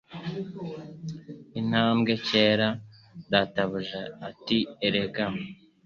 Intambwe nkeya databuja ati Egera